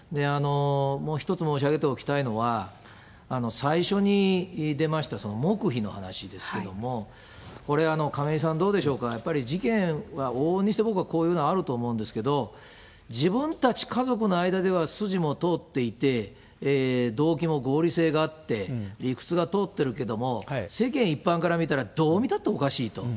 もう一つ申し上げておきたいのは、最初に出ました黙秘の話ですけども、これは亀井さん、どうでしょうか、やっぱり事件は往々にしてこういうのがあると思うんですけれども、自分たち家族の間では筋も通っていて、動機も合理性があって、理屈がとおってるけれども、世間一般から見たらどう見たっておかしいと。